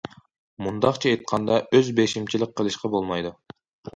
مۇنداقچە ئېيتقاندا ئۆز بېشىمچىلىق قىلىشقا بولمايدۇ.